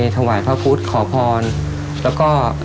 ถวายพระพุทธขอพรแล้วก็